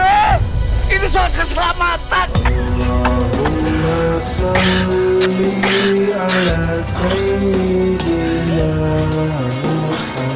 ini soal keselamatan